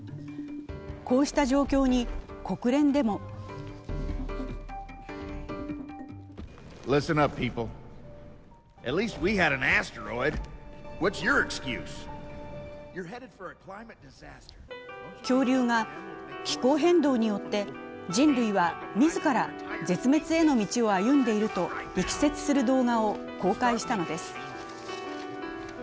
こうした状況に国連でも恐竜が気候変動によって人類は自ら絶滅への道を歩んでいると力説する動画を公開したのです。